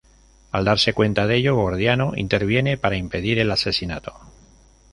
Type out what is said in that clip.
Al darse cuenta de ello, Gordiano interviene para impedir el asesinato.